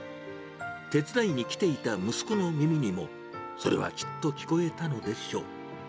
手伝いに来ていた息子の耳にも、それはきっと聞こえたのでしょう。